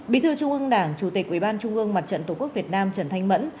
bí thư trung ương đảng chủ tịch ủy ban trung ương mặt trận tổ quốc việt nam trần thanh mẫn